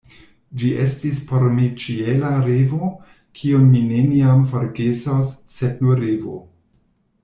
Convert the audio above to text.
Ĝi estis por mi ĉiela revo, kiun mi neniam forgesos, sed nur revo.